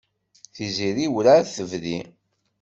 Tiziri werɛad tebdi.